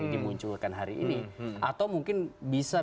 dimunculkan hari ini atau mungkin bisa